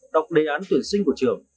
đọc đề án tuyển sinh của trường